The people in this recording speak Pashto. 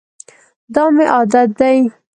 دا مي عادت دی .